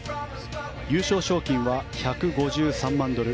優勝賞金は１５３万ドル